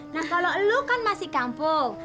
nah kalau lo kan masih kampung